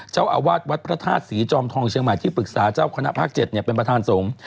เจ้าอาวาสวัดพระธาตุศรีจอมทองเชียงใหม่ที่ปรึกษาเจ้าคณะภาค๗เป็นประธานสงฆ์